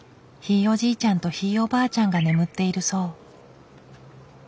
ひいおじいちゃんとひいおばあちゃんが眠っているそう。